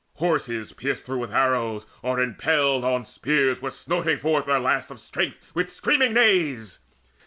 Horses pierced through with arrows, or impaled On spears, were snorting forth their last of strength With screaming neighings.